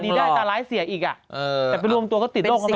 ตาดีได้ตาร้ายเสียอีกอ่ะแต่ไปรวมตัวก็ติดโลกของมัน